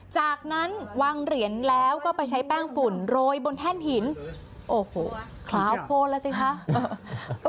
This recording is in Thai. จากนั้นวางเหรียญแล้วก็ไปใช้แป้งฝุ่นโรยบนแท่นหินโอ้โหขาวโคนแล้วสิคะ